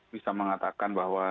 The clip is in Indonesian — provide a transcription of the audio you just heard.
bisa mengatakan bahwa